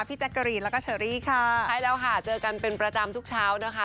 แจ๊กกะรีนแล้วก็เชอรี่ค่ะใช่แล้วค่ะเจอกันเป็นประจำทุกเช้านะคะ